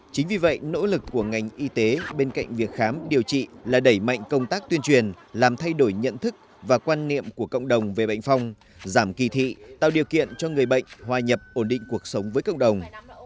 chính vì vậy nỗ lực của ngành y tế bên cạnh việc khám điều trị là đẩy mạnh công tác tuyên truyền làm thay đổi nhận thức và quan niệm của cộng đồng về bệnh phong giảm kỳ thị tạo điều kiện cho người bệnh hòa nhập ổn định cuộc sống với cộng đồng